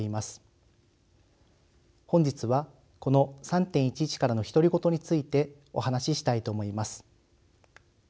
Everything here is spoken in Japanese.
本日はこの「３．１１からの独り言」についてお話ししたいと思います。